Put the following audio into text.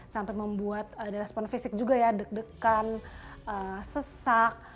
sampai membuat respon fisik juga ya deg degan sesak